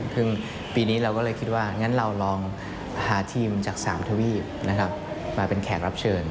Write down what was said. ซึ่งปีนี้เราก็เลยคิดว่างั้นเราลองหาทีมจาก๓ทวีปมาเป็นแขกรับเชิญ